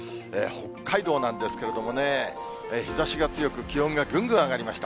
北海道なんですけれどもね、日ざしが強く、気温がぐんぐん上がりました。